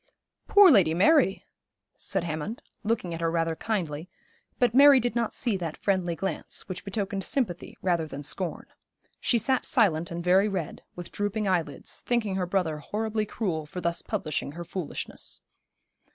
'Poor Lady Mary!' said Hammond, looking at her very kindly: but Mary did not see that friendly glance, which betokened sympathy rather than scorn. She sat silent and very red, with drooping eyelids, thinking her brother horribly cruel for thus publishing her foolishness.